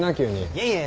いえいえ。